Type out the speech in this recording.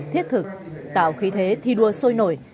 thiết thực tạo khí thế thi đua sôi nổi